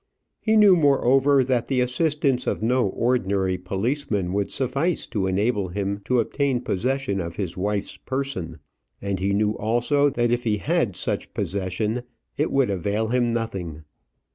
He knew, moreover, that the assistance of no ordinary policeman would suffice to enable him to obtain possession of his wife's person; and he knew also that if he had such possession, it would avail him nothing.